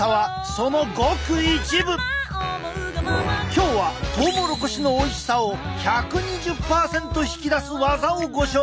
今日はトウモロコシのおいしさを１２０％引き出すワザをご紹介！